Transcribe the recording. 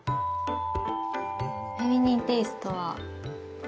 フェミニンテーストは。